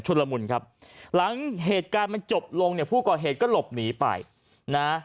ละมุนครับหลังเหตุการณ์มันจบลงเนี่ยผู้ก่อเหตุก็หลบหนีไปนะ